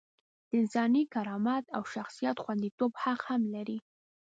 د انساني کرامت او شخصیت خونديتوب حق هم لري.